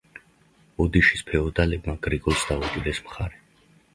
ოდიშის ფეოდალებმა გრიგოლს დაუჭირეს მხარი.